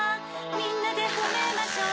みんなでほめましょう